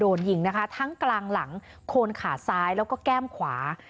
โดนยิงนะคะทั้งกลางหลังโคนขาซ้ายแล้วก็แก้มขวา